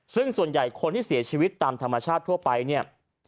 ซึ่งส่วนใหญ่คนที่เสียชีวิตตามธรรมชาติทั่วไปเนี่ย